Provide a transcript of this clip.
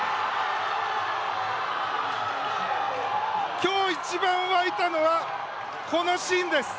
今日一番沸いたのはこのシーンです。